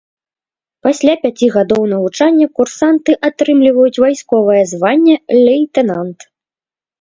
Пасля пяці гадоў навучання курсанты атрымліваюць вайсковае званне лейтэнант.